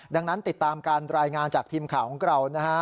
ดังนั้นติดตามการรายงานจากทีมข่าวของเรานะฮะ